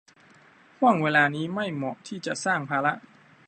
ห้วงเวลานี้ไม่เหมาะที่จะสร้างภาระ